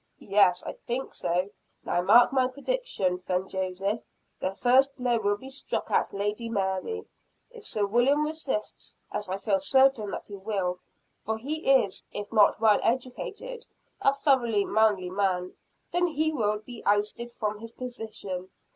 "Yes, I think so. Now mark my prediction, friend Joseph; the first blow will be struck at Lady Mary. If Sir William resists, as I feel certain that he will for he is, if not well educated, a thoroughly manly man then he will be ousted from his position.